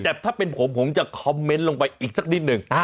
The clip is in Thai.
แต่ถ้าเป็นผมผมจะคอมเมนต์ลงไปอีกสักนิดหนึ่ง